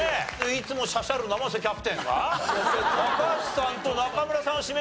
いつもしゃしゃる生瀬キャプテンが高橋さんと中村さんを指名した。